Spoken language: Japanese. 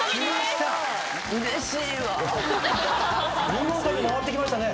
見事に回ってきましたね。